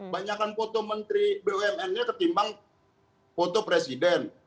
banyakan foto menteri bumn nya ketimbang foto presiden